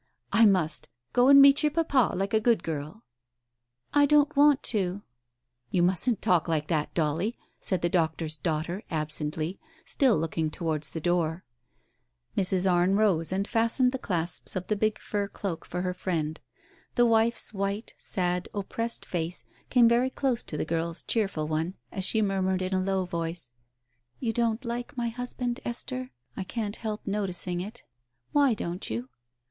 "I must. Go and meet your papa, like a good girl." "I don't want to." "You mustn't talk like that, Dolly," said the doctor's daughter absently, still looking towards the door. Mrs. Arne rose and fastened the clasps of the big fur cloak for her friend. The wife's white, sad, oppressed face came very close to the girl's cheerful one, as she mur mured in a low voice — "You don't like my husband, Esther? I can't help noticing it. Why don't you